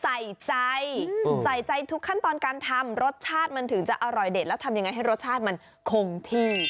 ใส่ใจใส่ใจทุกขั้นตอนการทำรสชาติมันถึงจะอร่อยเด็ดแล้วทำยังไงให้รสชาติมันคงที่